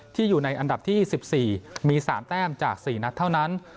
อยู่ในอันดับที่๑๔มี๓แต้มจาก๔นัดเท่านั้น